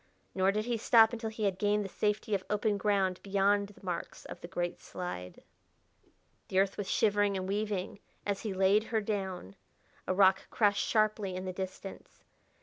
Nor did he stop until he had gained the safety of open ground beyond the marks of the great slide. The earth was shivering and weaving as he laid her down; a rock crashed sharply in the distance.